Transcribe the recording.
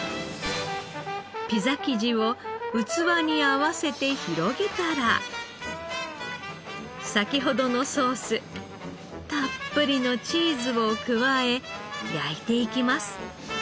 ピザ生地を器に合わせて広げたら先ほどのソースたっぷりのチーズを加え焼いていきます。